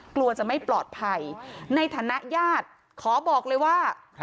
กลัวจะไม่ปลอดภัยในฐานะญาติขอบอกเลยว่า